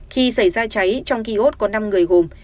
khi xảy ra cháy trong ký hốt có năm người gồm